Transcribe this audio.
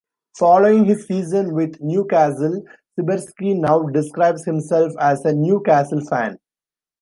Following his season with Newcastle, Sibierski now describes himself as a Newcastle fan.